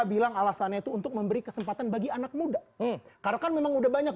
bilang alasannya itu untuk memberi kesempatan bagi anak muda karena kan memang udah banyak